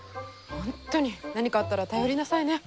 本当に何かあったら頼りなさいね。